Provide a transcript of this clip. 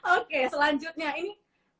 oke selanjutnya ini